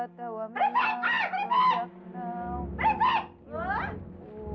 sayangi suami dan anak anak tu